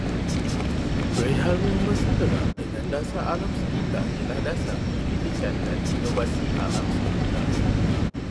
Perihal yang bersegerak dengan dasar alam sekitar ialah dasar penyelidikan dan inovasi alam sekitar